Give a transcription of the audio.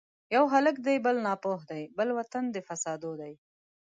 یو هلک دی بل ناپوه دی ـ بل وطن د فساتو دی